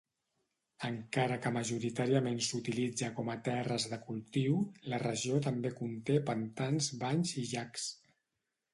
Encara que majoritàriament s'utilitza com a terres de cultiu, la regió també conté pantans, banys i llacs.